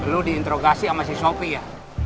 lu diintrogasi sama si sopi ya